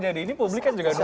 jadi ini publik kan juga tunggu